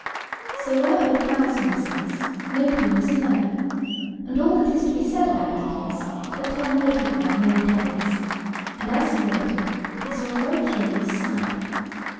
So where Allfowlsness is nobody must know; and all that is to be said about it is, that Tom waited there many days; and as he waited, he saw a very curious sight.